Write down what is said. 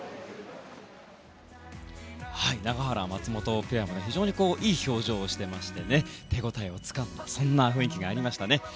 永原、松本ペアも非常にいい表情をしていまして手ごたえをつかんだ雰囲気がありましたね。